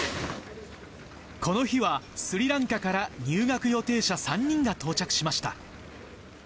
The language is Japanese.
この日は、スリランカから入学予定者３人が到着しました。